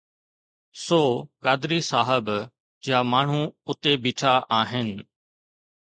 سو قادري صاحب جا ماڻهو اتي بيٺا آهن.